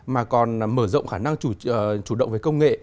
mà còn mở rộng khả năng chủ động về công nghệ